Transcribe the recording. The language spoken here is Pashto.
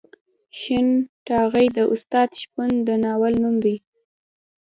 شین ټاغی د استاد شپون د ناول نوم دی.